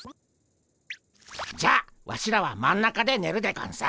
じゃあワシらは真ん中でねるでゴンス。